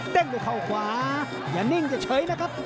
เล็งไปเข้าขวาอย่างนิ่งเฉยนะครับ